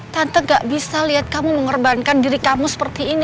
tante gak bisa lihat kamu mengorbankan diri kamu seperti ini